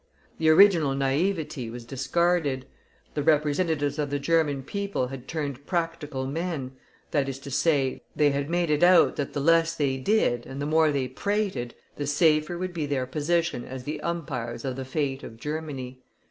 The original naivety was discarded; the representatives of the German people had turned practical men, that is to say, they had made it out that the less they did, and the more they prated, the safer would be their position as the umpires of the fate of Germany.